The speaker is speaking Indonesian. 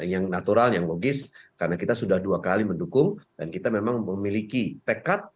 yang natural yang logis karena kita sudah dua kali mendukung dan kita memang memiliki tekad